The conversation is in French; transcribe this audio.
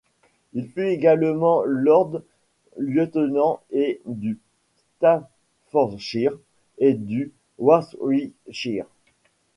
Il fut également Lord Lieutenant et du Staffordshire et du Warwickshire.